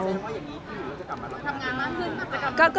ตอนนี้มิวอาจจะกลับมาทำงานมากขึ้น